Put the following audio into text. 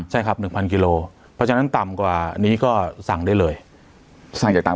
กิโลครับ๑๐๐๐กิโลเพราะฉะนั้นต่ำกว่านี้ก็สั่งได้เลยทางจะตาม